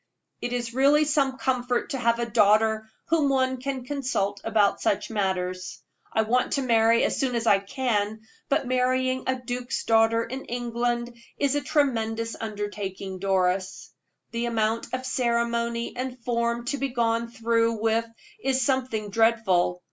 "It is really some comfort to have a daughter whom one can consult about such matters. I want to marry as soon as I can; but marrying a duke's daughter in England is a tremendous undertaking, Doris. The amount of ceremony and form to be gone through with is something dreadful.